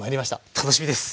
楽しみです。